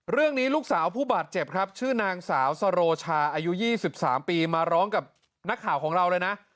ลูกสาวผู้บาดเจ็บครับชื่อนางสาวสโรชาอายุ๒๓ปีมาร้องกับนักข่าวของเราเลยนะ